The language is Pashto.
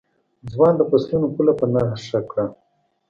ځوان د فصلونو پوله په نښه کړه.